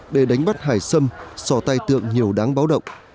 để đánh bắt hải xâm sò tay tượng nhiều đáng báo động